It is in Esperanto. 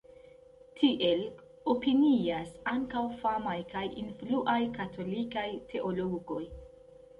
Tiel opinias ankaŭ famaj kaj influaj katolikaj teologoj.